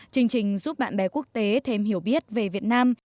chương trình giúp bạn bè quốc tế thêm hiểu biết về việt nam